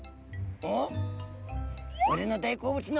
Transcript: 「おっ！」。